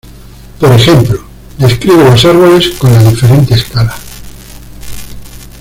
Por ejemplo, describe los árboles con la diferente escala.